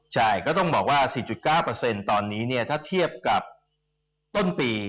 ใช่ก็ต้องบอกว่า๔๙ตอนนี้ถ้าเทียบกับต้นปี